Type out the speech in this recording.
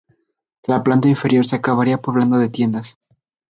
Su planta inferior se acabaría poblando de tiendas.